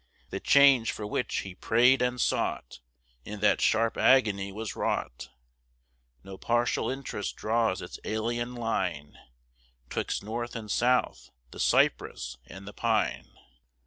The change for which he prayed and sought In that sharp agony was wrought; No partial interest draws its alien line 'Twixt North and South, the cypress and the pine!